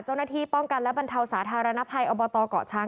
เจ้าหน้าที่ป้องกันและบรรเทาสาธารณภัยอบตเกาะช้าง